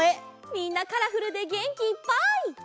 みんなカラフルでげんきいっぱい！